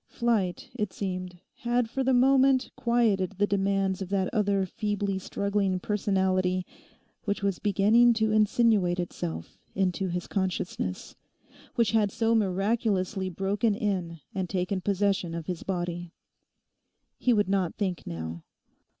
Flight, it seemed, had for the moment quietened the demands of that other feebly struggling personality which was beginning to insinuate itself into his consciousness, which had so miraculously broken in and taken possession of his body. He would not think now.